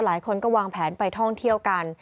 หลายคนก็วางแผนไปท่องเที่ยวกัน